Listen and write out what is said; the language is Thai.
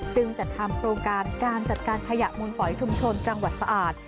จัดทำโครงการการจัดการขยะมูลฝอยชุมชนจังหวัดสะอาด